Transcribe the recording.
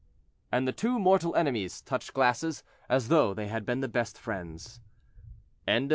And the two mortal enemies touched glasses as though they had been the best friends. CHAPTER LIX.